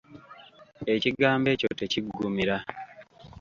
Ekigambo ekyo tekiggumira.